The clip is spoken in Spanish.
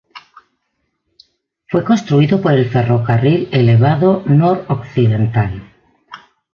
Fue construido por el Ferrocarril Elevado Noroccidental.